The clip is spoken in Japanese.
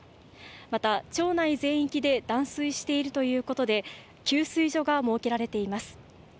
また町内全域で断水しているということで給水所が設けられています。